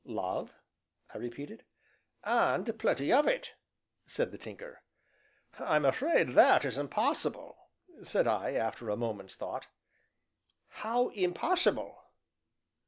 "Love?" I repeated. "And plenty of it," said the Tinker. "I'm afraid that is impossible," said I, after a moment's thought. "How impossible?"